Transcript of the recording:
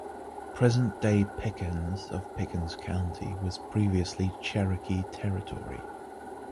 Present-day Pickens of Pickens County was previously Cherokee Territory.